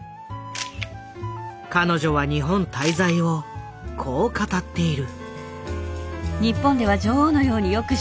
彼女は日本滞在をこう語っている。